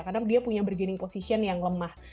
karena dia punya bergening position yang lemah